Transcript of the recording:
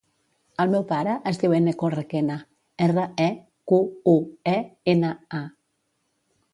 El meu pare es diu Eneko Requena: erra, e, cu, u, e, ena, a.